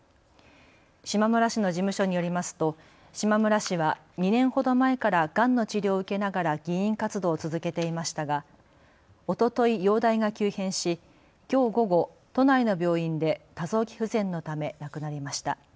島村氏の事務所によりますと島村氏は２年ほど前からがんの治療を受けながら議員活動を続けていましたがおととい、容体が急変しきょう午後、都内の病院で多臓器不全のため亡くなりました。